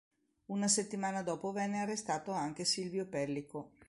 Una settimana dopo venne arrestato anche Silvio Pellico.